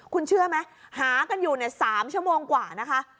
คุณเชื่อไหมหากันอยู่๓ชั่วโมงกว่านะคะ